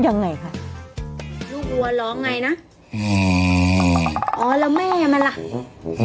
ยังไงคะ